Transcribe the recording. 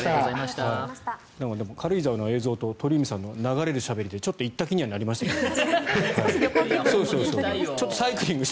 でも、軽井沢の映像と鳥海さんの流れるしゃべりでちょっと行った気にはなりましたけどね。